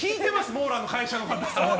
モーラーの会社の方。